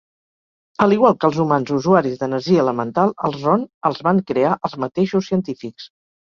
A l'igual que els humans usuaris d'energia elemental, els Ron els van crear els mateixos científics.